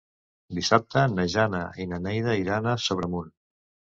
Dissabte na Jana i na Neida iran a Sobremunt.